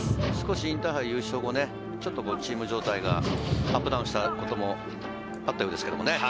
インターハイ優勝もチーム状態がアップダウンしたこともあったようですけどね。